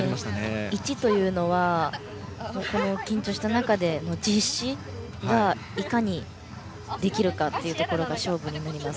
０．１というのはこの緊張した中での実施がいかにできるかというところが勝負になります。